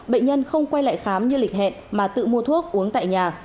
bệnh nhân không quay lại khám như lịch hẹn mà tự mua thuốc uống tại nhà